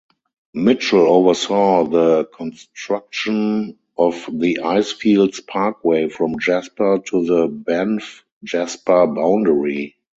Mitchell oversaw the construction of the Icefields Parkway from Jasper to the Banff-Jasper boundary.